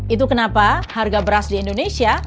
itu kenapa harga beras di indonesia